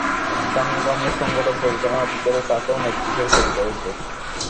সংগ্রাম ও সংগঠন পরিচালনার অভিজ্ঞতা তাঁকেও নেত্রী হিসেবে তৈরি করেছে।